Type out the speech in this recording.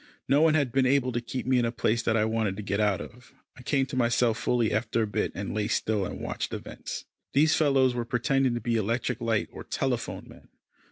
No one had been able to keep me in a place that I wanted to get out of. I came to myself fully after a bit, and lay still and watched events. These fellows were pretending to be electric light or telephone men.